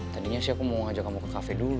tadinya sih aku mau ngajak kamu ke cafe dulu